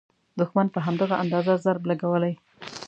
دوښمن په همدغه اندازه ضرب لګولی.